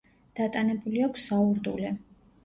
დატანებული აქვს საურდულე.